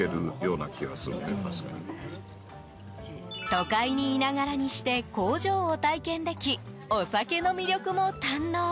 都会にいながらにして工場を体験できお酒の魅力も堪能。